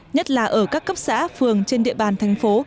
nhất là ở các cấp xã phường trên địa bàn thành phố